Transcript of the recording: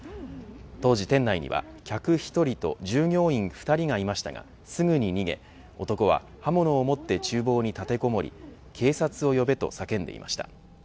当時、店内には客１人と従業員２人がいましたがすぐに逃げ男は刃物を持って厨房に立てこもり警察を呼べと叫んでいました。